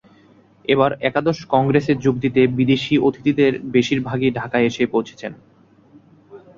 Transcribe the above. এবার একাদশ কংগ্রেসে যোগ দিতে বিদেশি অতিথিদের বেশির ভাগই ঢাকায় এসে পৌঁছেছেন।